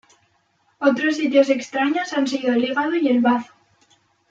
Otros sitios extraños han sido el hígado y el bazo.